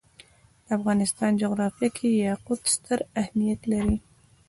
د افغانستان جغرافیه کې یاقوت ستر اهمیت لري.